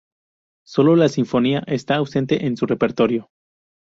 Sólo la sinfonía está ausente en su repertorio.